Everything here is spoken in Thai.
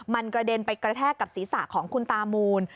มันกระเด็นไปกระแทกกับศีรษะของคุณตามูล